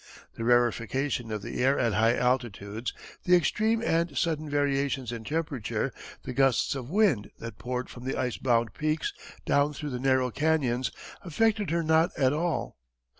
The rarification of the air at high altitudes, the extreme and sudden variations in temperature, the gusts of wind that poured from the ice bound peaks down through the narrow canyons affected her not at all.